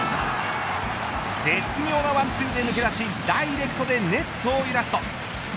絶妙なワンツーで抜け出しダイレクトでネットを揺らすと。